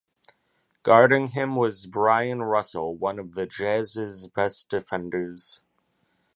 Guarding him was Bryon Russell, one of the Jazz's best defenders.